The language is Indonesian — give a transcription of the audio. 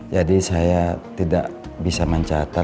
jadi saya tidak bisa mencatat